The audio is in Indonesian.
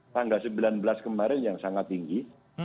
tanggal sembilan belas kemarin yang sangat tinggi